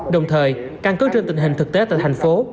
đồng thời căn cứ trên tình hình thực tế tại thành phố